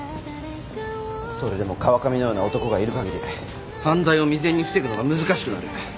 それでも川上のような男がいるかぎり犯罪を未然に防ぐのが難しくなる。